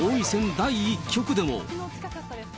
第１局でも。